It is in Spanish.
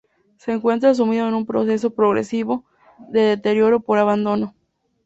Se encuentra sumido en un proceso progresivo de deterioro por abandono.